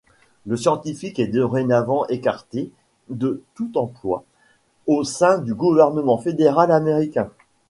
Le scientifique est dorénavant écarté de tout emploi au sein du gouvernement fédéral américain.